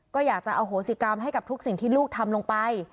ก็อยากจะอโหสิกรรมให้กับทุกสิ่งที่ลูกทำลงไป